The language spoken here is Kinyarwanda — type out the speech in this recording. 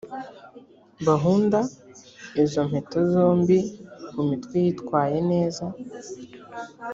bahunda izo mpeta zombi ku mitwe yitwaye neza